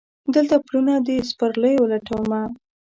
دلته پلونه د سپرلیو لټومه